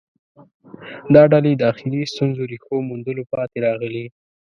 دا ډلې داخلي ستونزو ریښو موندلو پاتې راغلې